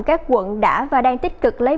các quận đã và đang tích cực lấy